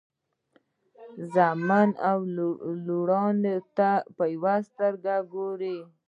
زامنو او لوڼو ته په یوه سترګه وګورئ.